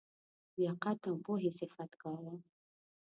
لیاقت او پوهي صفت کاوه.